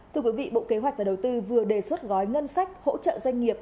thưa quý vị bộ kế hoạch và đầu tư vừa đề xuất gói ngân sách hỗ trợ doanh nghiệp